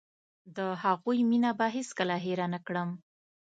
د هغوی مينه به هېڅ کله هېره نکړم.